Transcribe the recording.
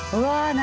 何？